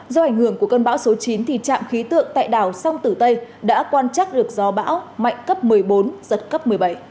do ảnh hưởng của cơn bão số chín trạm khí tượng tại đảo song tử tây đã quan trắc được gió bão mạnh cấp một mươi bốn giật cấp một mươi bảy